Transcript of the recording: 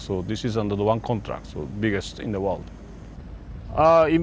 jadi ini adalah kontrak terbesar di dunia